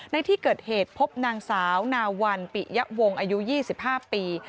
ในที่เกิดเหตุพบนางสาวนาวันปิยะวงอายุ๒๕ปี